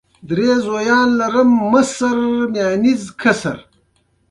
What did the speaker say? د احمد کور جوړول ما ته څيرې پوست مالومېږي.